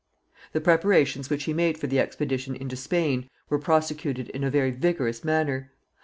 The preparations which he made for the expedition into Spain were prosecuted in a very vigorous manner.